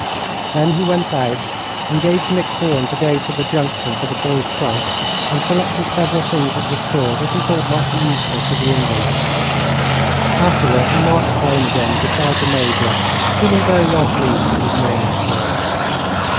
Then he went out, engaged Nick Thorne to go to the Junction for the boy's trunk, and selected several things at the store that he thought might be useful to the invalid. Afterward he marched home again beside the Major, feeling very well pleased with his morning's work.